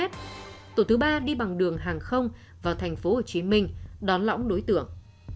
tổ thứ ba đi bằng đường hàng không vào thành phố hồ chí minh đón lõng đối tượng